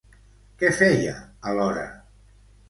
Què feia a l'hora?